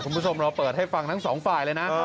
คุณผู้ชมเราเปิดให้ฟังทั้งสองฝ่ายเลยนะ